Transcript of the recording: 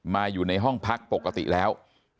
อยู่ในห้องพักปกติแล้ว